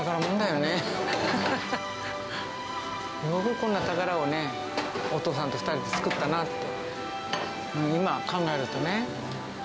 よくこんな宝をね、お父さんと２人で作ったなって。